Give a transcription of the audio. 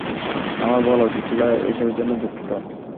আমার বলা উচিত ছিল এসবের জন্য দুঃখিত।